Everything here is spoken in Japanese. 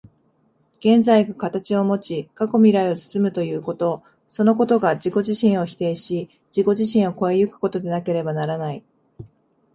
現在が形をもち、過去未来を包むということ、そのことが自己自身を否定し、自己自身を越え行くことでなければならない。